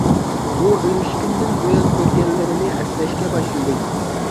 ئۇ ئۈلۈشكۈندىن بۇيان كۆرگەنلىرىنى ئەسلەشكە باشلىدى.